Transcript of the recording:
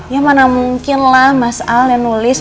ya mana mungkin lah mas al yang nulis